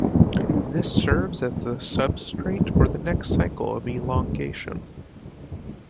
This serves as the substrate for the next cycle of elongation.